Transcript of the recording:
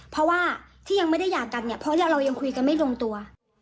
เพราะว่าที่ยังไม่ได้หย่ากันเนี่ยเพราะเรายังคุยกันไม่ลงตัว